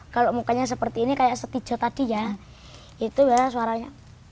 kalau mukanya seperti ini kayak setijo tadi ya itu suaranya